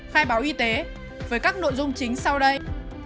khai báo y tế với các nội dung chính sau đây